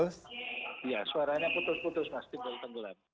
iya suaranya putus putus mas timbal tenggulam